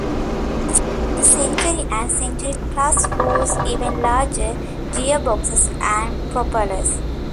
The Century and Century Plus used even larger gearboxes and propellers.